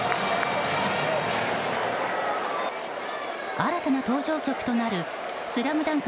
新たな登場曲となる「ＳＬＡＭＤＵＮＫ」